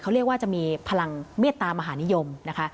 เขาเรียกว่าจะมีพลังเมตตามหานิยมนะคะ